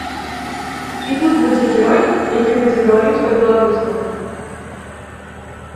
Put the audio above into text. І тут будзе герой які будзе гаварыць па-беларуску.